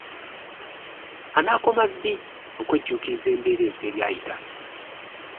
Onaakoma ddi okwejjuukiriza embeera ez'ebyayita?